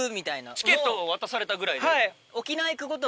チケットを渡されたぐらいで。